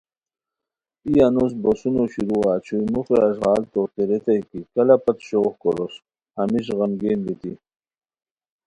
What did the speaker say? ای انوس بوسونو شروعہ چھوئی موخیو اݱغال توتے ریتائے کی کلہ پت شوغ کوروس ہمیش غمگین بیتی